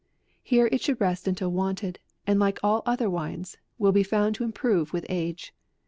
Here it should rest until wanted, and like all other wines, will be found to improve with age.